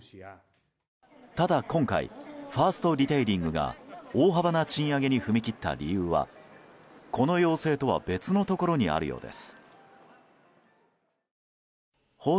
ただ、今回ファーストリテイリングが大幅な賃上げに踏み切った理由はこの要請とは別のところにあるようです。